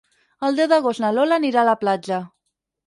El deu d'agost na Lola anirà a la platja.